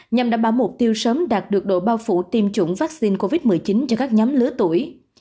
nhằm đảm bảo mục tiêu sớm đạt được độ bao phủ tiêm chủng vaccine covid một mươi chín cho các nhóm lứa tuổi